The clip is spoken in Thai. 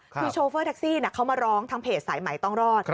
คือโชเฟอร์แท็กซี่เขามาร้องทางเพจสายใหม่ต้องรอด